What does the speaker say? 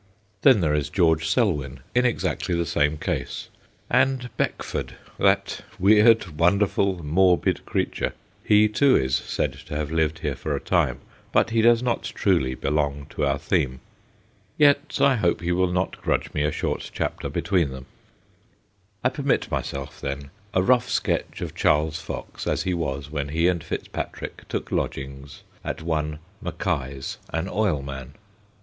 Then there is George Selwyn in exactly the same case. And Beckford, that weird, wonderful, morbid creature he, too, is said to have lived here for a time, but he does not truly belong to our theme. Yet I hope you will not grudge me a short chapter between them. 222 THE GHOSTS OF PICCADILLY I permit myself, then, a rough sketch of Charles Fox as he was when he and Fitz Patrick took lodgings at one Mackie's, an oilman.